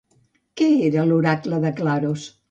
Què era l'oracle de Claros?